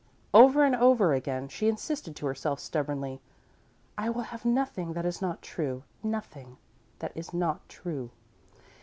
Over and over again she insisted to herself, stubbornly: "I will have nothing that is not true, nothing that is not true."